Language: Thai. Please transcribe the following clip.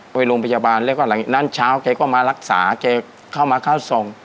ไปโรงพยาบาลแล้วก็หลังจากนั้นเช้าแกก็มารักษาแกเข้ามาเข้าทรง